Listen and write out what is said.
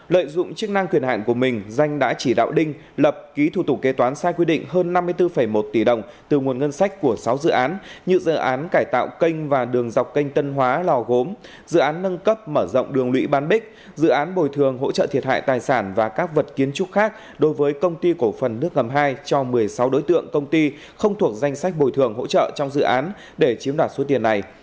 lợi dụng chức năng quyền hạn của mình danh đã chỉ đạo đinh lập ký thủ tục kế toán sai quy định hơn năm mươi bốn một tỷ đồng từ nguồn ngân sách của sáu dự án như dự án cải tạo kênh và đường dọc kênh tân hóa lò gốm dự án nâng cấp mở rộng đường lũy ban bích dự án bồi thường hỗ trợ thiệt hại tài sản và các vật kiến trúc khác đối với công ty cổ phần nước ngầm hai cho một mươi sáu đối tượng công ty không thuộc danh sách bồi thường hỗ trợ trong dự án để chiếm đạt số tiền này